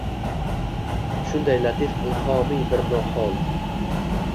Shunday latif ilhomiy bir hol.